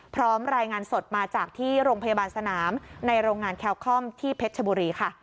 รายงานสดมาจากที่โรงพยาบาลสนามในโรงงานแคลคอมที่เพชรชบุรีค่ะ